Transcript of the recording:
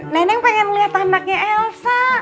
neneng pengen lihat anaknya elsa